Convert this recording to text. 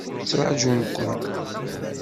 Ttrajun-kun.